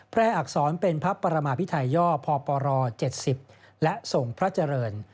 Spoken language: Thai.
พระเจ้าอยู่หัวแพร่อักษรเป็นพระปรมาภิทัยย่อพปร๗๐และทรงพระเจริญ